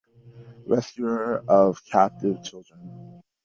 Rescuer of captive children.